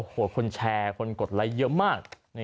โอ้โหคนแชร์คนกดไลค์เยอะมาก